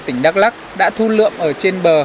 tỉnh đắk lắc đã thu lượm ở trên bờ